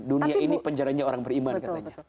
dunia ini penjaranya orang beriman katanya